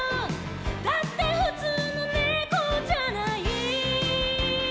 「だってふつうのねこじゃない」